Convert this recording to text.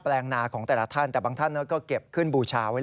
แปลงนาของแต่ละท่านแต่บางท่านก็เก็บ